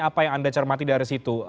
apa yang anda cermati dari situ